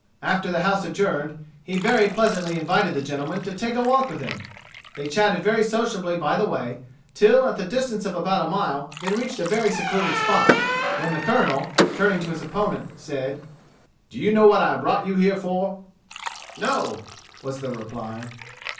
After the house adjourned, he very pleasantly invited the gentleman to take a walk with him. They chatted very sociably by the way, till, at the distance of about a mile, they reached a very secluded spot, when the Colonel, turning to his opponent, said: "Do you know what I brought you here for?" "No," was the reply.